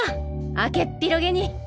開けっ広げに。